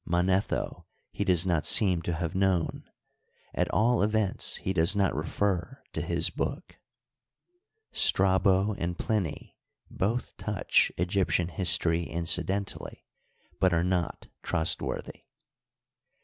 Manetho he does not seem to have known ; at all events he does not refer to his book. Strabo and Pliny both touch Egyptian history incidentally, but are not trustworthy.